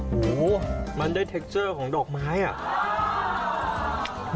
หูมันได้เทคเจอร์ของดอกไม้อ่ะ